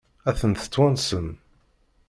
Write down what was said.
Ad tent-twansem?